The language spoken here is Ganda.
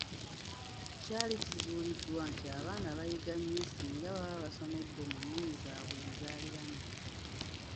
Kyali kizuuliddwa nti abaana bayiga nnyo ssinga baba basomedde mu nnimi zaabwe enzaaliranwa.